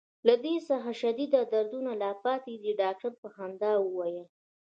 له دې څخه شدید دردونه لا پاتې دي. ډاکټر په خندا وویل.